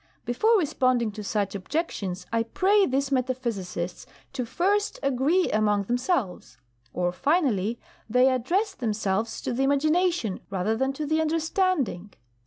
Before responding to such objections I pray these metaphysicists to first agree among them selves. Or, finally, they address themselves to the imagination rather than to the understanding.